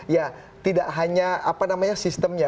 ya tidak hanya apa namanya sistemnya